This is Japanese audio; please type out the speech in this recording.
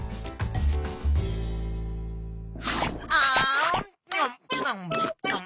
あん。